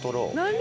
何？